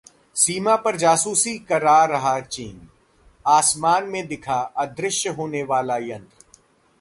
सीमा पर जासूसी करा रहा चीन, आसमान में दिखा अदृश्य होने वाला यंत्र